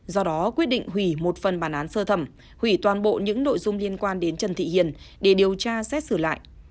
do đó quyết định hủy một phần bản án sơ thẩm hủy toàn bộ những nội dung liên quan đến trần thị hiền để điều tra xét xử lại